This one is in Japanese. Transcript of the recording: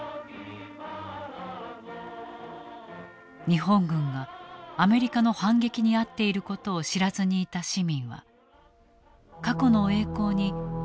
日本軍がアメリカの反撃に遭っていることを知らずにいた市民は過去の栄光に喝采を送っていた。